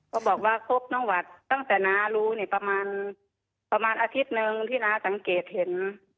ก็บอกว่าพบน้องหวัดตั้งแต่น้ารู้นี่ประมาณอาทิตย์นึงที่น้าสังเกตเห็น